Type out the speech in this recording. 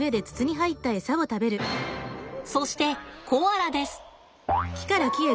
そしてコアラです。